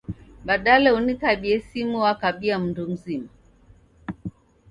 Badala unikabie simu w'akabia mundu mzima